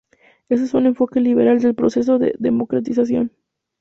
Este es un enfoque liberal del proceso de democratización.